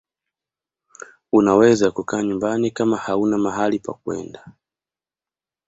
unaweza kukaa nyumbani kama hauna mahali pakwenda